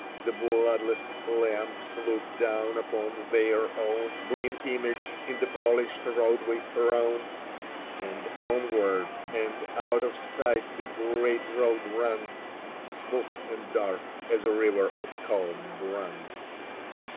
The bloodless lamps look down upon their own Green image in the polished roadway thrown, And onward and out of sight the great road runs, Smooth and dark as a river of calm bronze.